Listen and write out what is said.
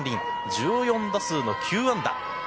１４打数の９安打。